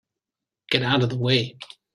Get out of the way!